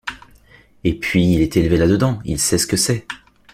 Et puis, il est élevé là-dedans, il sait ce que c’est.